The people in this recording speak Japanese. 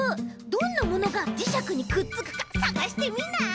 どんなものがじしゃくにくっつくかさがしてみない？